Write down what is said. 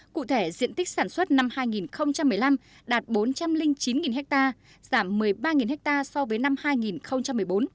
cụ thể diện tích sản xuất năm hai nghìn một mươi năm đạt bốn trăm linh chín ha giảm một mươi ba ha so với năm hai nghìn một mươi bốn